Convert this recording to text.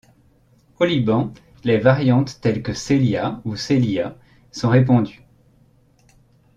Au Liban, les variantes telles que Célia ou Célya sont répandues.